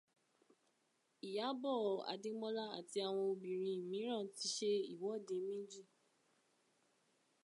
Ìyábọ̀ Adémọ́lá àti àwọn obìnrin mìíràn ti ṣe ìwọ́de méjì